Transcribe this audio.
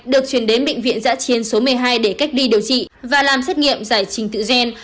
được chuyển đến bệnh viện dã chiến số một mươi hai để cách đi điều trị và làm xét nghiệm giải trình tự doan